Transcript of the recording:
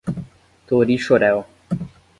Torixoréu